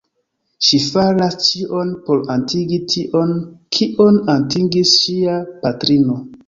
Ŝi faras ĉion por atingi tion, kion atingis ŝia patrino.